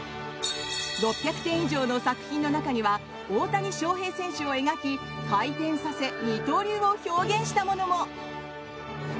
６００点以上の作品の中には大谷翔平選手を描き回転させ二刀流を表現したものも。